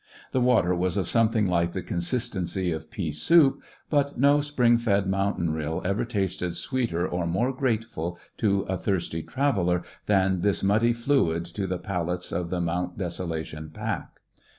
The water was of something like the consistency of pea soup, but no spring fed mountain rill ever tasted sweeter or more grateful to a thirsty traveller than this muddy fluid to the palates of the Mount Desolation pack.